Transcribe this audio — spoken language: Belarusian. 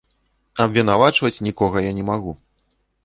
Абвінавачваць нікога я не магу.